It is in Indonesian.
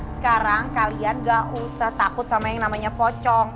sekarang kalian gak usah takut sama yang namanya pocong